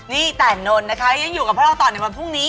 นี่แต่นนท์นะคะยังอยู่กับพวกเราต่อในวันพรุ่งนี้